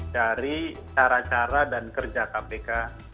dari cara cara dan kerja kpk